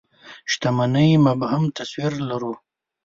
شتمنۍ مبهم تصوير لرو.